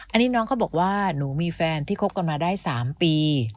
อันนี้น้องเขาบอกว่าหนูมีแฟนที่คบกันมาได้๓ปี